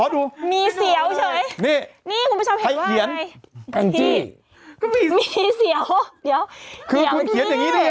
ไม่มีเสียงไม่มีเสียงเจ้าของโอ้โหเดี๋ยวเดี๋ยวเดี๋ยวเดี๋ยวเดี๋ยวเดี๋ยว